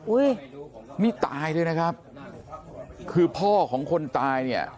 อุ้ยมิตายเดียวนะครับคือของคนตาย